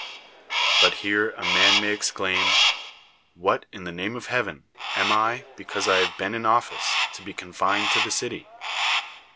But here a mnn may (^xclaim, "AVhat! in the name of TTcaven, am I, because I liave been in office, to be confined to the city?"